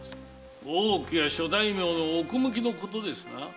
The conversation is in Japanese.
大奥や諸大名の奥向きのことですな？